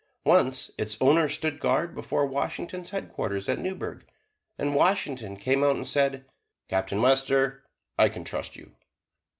Once, its owner stood guard before Washington's Headquarters at Newburgh, and Washington came out and said, "Captain Webster, I can trust you!"